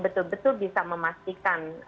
betul betul bisa memastikan